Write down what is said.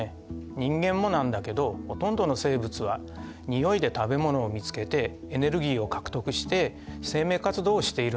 人間もなんだけどほとんどの生物はにおいで食べ物を見つけてエネルギーを獲得して生命活動をしているんだ。